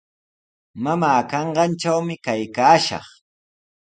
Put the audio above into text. Mamaa kanqantrawmi kaykaashaq.